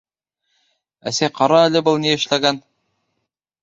— Әсәй, ҡара әле, был ни эшләгән?!